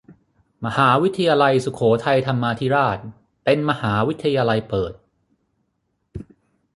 มหาวิทยาลัยสุโขทัยธรรมาธิราชเป็นมหาวิทยาลัยเปิด